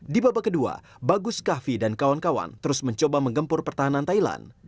di babak kedua bagus kahvi dan kawan kawan terus mencoba menggempur pertahanan thailand